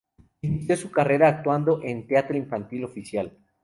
Inició su carrera actuando en teatro infantil oficial.